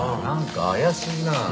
なんか怪しいな。